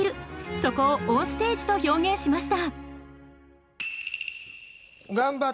そこを「オンステージ」と表現しました。